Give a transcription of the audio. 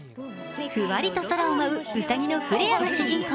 ふわりと空を舞う、うさぎのフレアが主人公。